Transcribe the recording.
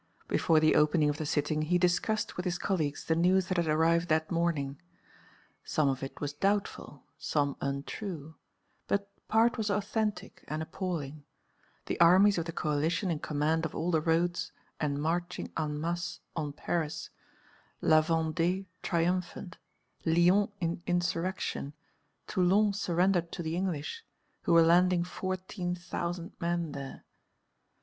Before the opening of the sitting, he discussed with his colleagues the news that had arrived that morning. Some of it was doubtful, some untrue; but part was authentic and appalling; the armies of the coalition in command of all the roads and marching en masse on Paris, La Vendée triumphant, Lyons in insurrection, Toulon surrendered to the English, who were landing fourteen thousand men there.